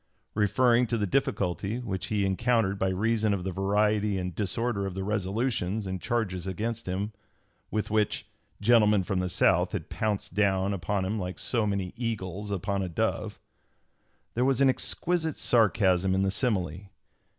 Referring to the difficulty which he encountered by reason of the variety and disorder of the resolutions and charges against him with which "gentlemen from the South had pounced down upon him like so many eagles upon a (p. 278) dove," there was an exquisite sarcasm in the simile!